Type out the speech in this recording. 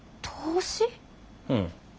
うん。